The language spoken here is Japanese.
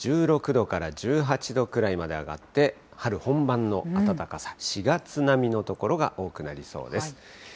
１６度から１８度くらいまで上がって、春本番の暖かさ、４月並みの所が多くなりそうです。